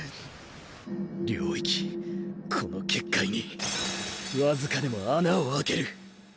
領域この結界に僅かでも穴を開ける。